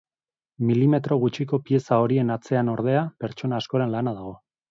Milimetro gutxiko pieza horien atzean ordea, pertsona askoren lana dago.